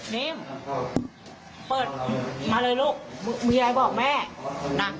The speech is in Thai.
มึงมีอะไรปิดบังแม่นะ